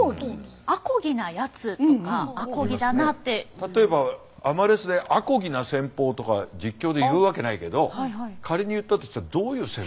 例えばアマレスで「あこぎな戦法」とか実況で言うわけないけど仮に言ったとしたらどういう戦法？